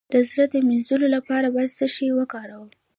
د زړه د مینځلو لپاره باید څه شی وکاروم؟